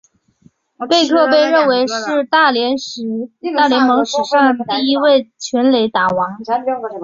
贝克被认为是大联盟史上第一位全垒打王。